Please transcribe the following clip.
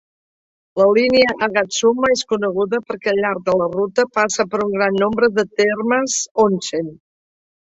La línia d'Agatsuma és coneguda perquè al llarg de la ruta passa per un gran nombre de termes "onsen".